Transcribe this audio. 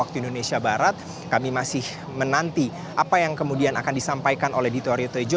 waktu indonesia barat kami masih menanti apa yang kemudian akan disampaikan oleh dito aryo tejo